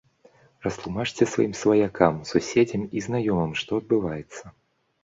Растлумачце сваім сваякам, суседзям і знаёмым, што адбываецца.